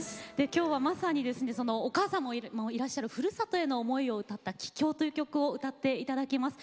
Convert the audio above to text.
今日はまさにお母様もいらっしゃるふるさとへの思いを歌った「帰郷」という曲を歌っていただきます。